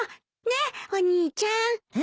ねっお兄ちゃん。